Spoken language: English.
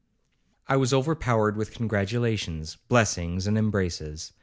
'I was overpowered with congratulations, blessings, and embraces.